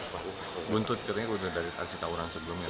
buntut katanya buntut dari tarjita orang sebelumnya